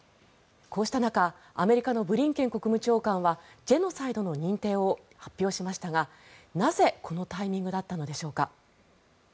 こうした中アメリカのブリンケン国務長官はジェノサイドの認定を発表しましたがなぜ、このタイミングだったのでしょうか。